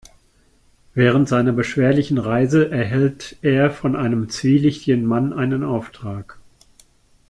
Während seiner beschwerlichen Reise erhält er von einem zwielichtigen Mann einen Auftrag.